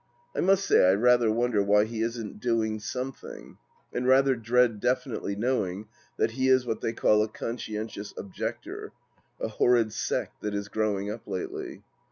I must say I rather wonder why he isn't doing something, and rather dread definitely knowing that he is what they call a Conscientious Objector, a horrid sect that is growing up lately.